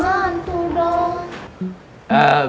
kamu tuh dong